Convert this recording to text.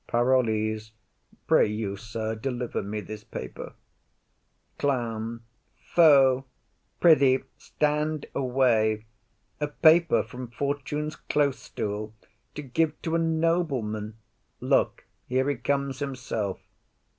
PAROLLES. Pray you, sir, deliver me this paper. CLOWN. Foh, pr'ythee stand away. A paper from Fortune's close stool to give to a nobleman! Look here he comes himself.